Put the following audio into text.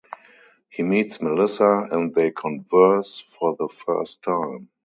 He meets Melissa, and they converse for the first time.